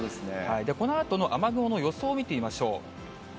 このあとの雨雲の予想見てみましょう。